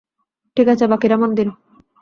ঠিক আছে, বাকিরা মন দিন।